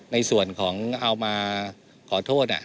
ในส่วนของเอามาขอโทษ